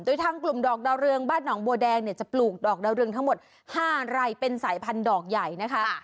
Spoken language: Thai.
โดยทางกลุ่มดอกดาวเรืองบ้านหนองบัวแดงเนี่ยจะปลูกดอกดาวเรืองทั้งหมด๕ไร่เป็นสายพันธุดอกใหญ่นะคะ